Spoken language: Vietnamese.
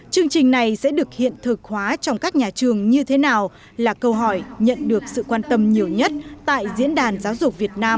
chương trình này sẽ được hiện thực hóa trong các nhà trường như thế nào là câu hỏi nhận được sự quan tâm nhiều nhất tại diễn đàn giáo dục việt nam năm hai nghìn một mươi chín